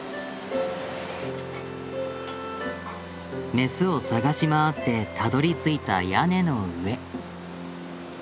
メスを探し回ってたどりついた屋根の上。